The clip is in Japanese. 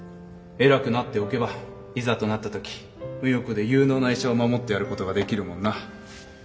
偉くなっておけばいざとなった時無欲で有能な医者を守ってやることができるもんな。